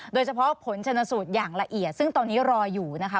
โดยเฉพาะผลชนสูตรอย่างละเอียดซึ่งตอนนี้รออยู่นะคะ